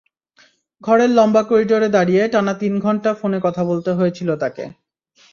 ঘরের লম্বা করিডরে দাঁড়িয়ে টানা তিন ঘণ্টা ফোনে কথা বলতে হয়েছিল তাঁকে।